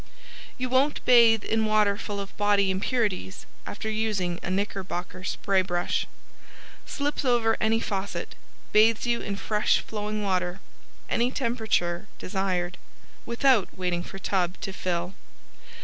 You won't bathe in water full of body impurities after using a Knickerbocker Spraybrush Slips over any faucet. Bathes you in fresh flowing water any temperature desired without waiting for tub to fill.